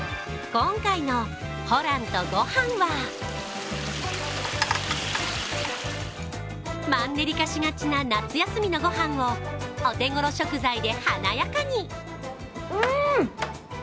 今回の「ホランとごはん」はマンネリ化しがちな夏休みのごはんをお手頃食材で華やかに。